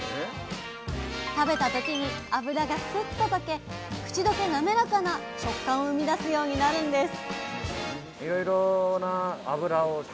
食べた時に脂がスッととけ口どけなめらかな食感を生み出すようになるんです！